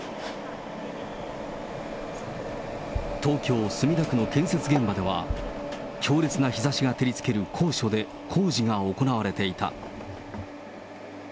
東京・墨田区の建設現場では、強烈な日ざしが照りつける高所で工事が行われていた。